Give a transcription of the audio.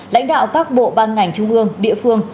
lãnh đạo các bộ ban ngành trung ương địa phương